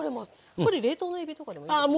これ冷凍のえびとかでもいいんですか？